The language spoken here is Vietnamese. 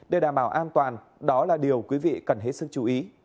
để đảm bảo an toàn đó là điều quý vị cần hết sức chú ý